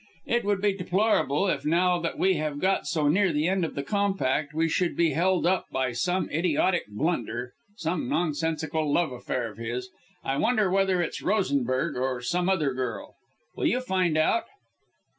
It would be deplorable if now that we have got so near the end of the Compact, we should be held up by some idiotic blunder some nonsensical love affair of his. I wonder whether it's Rosenberg or some other girl. Will you find out?"